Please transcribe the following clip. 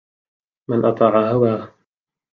مَنْ أَطَاعَ هَوَاهُ